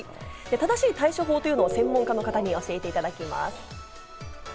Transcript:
正しい対処法というのを専門家の方に教えていただきます。